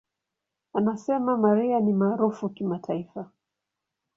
Anasema, "Mariah ni maarufu kimataifa.